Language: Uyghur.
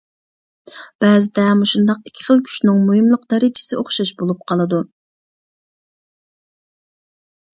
بەزىدە مۇشۇنداق ئىككى خىل كۈچنىڭ مۇھىملىق دەرىجىسى ئوخشاش بولۇپ قالىدۇ.